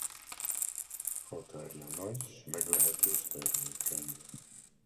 Határja nagy s meglehetős termékeny.